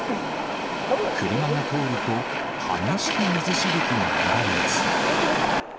車が通ると、激しく水しぶきが上がります。